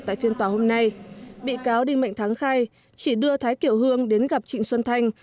tại phiên tòa hôm nay bị cáo đinh mạnh thắng khai chỉ đưa thái kiểu hương đến gặp trịnh xuân thanh